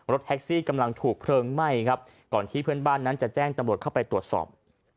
แท็กซี่กำลังถูกเพลิงไหม้ครับก่อนที่เพื่อนบ้านนั้นจะแจ้งตำรวจเข้าไปตรวจสอบ